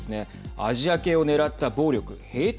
アジア系を狙った暴力ヘイト